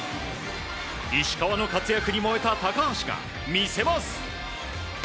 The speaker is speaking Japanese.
石川の活躍に燃えた高橋が見せます。